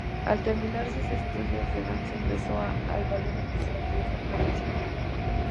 Al terminar sus estudios de danza ingresó al Ballet Oficial de esa provincia.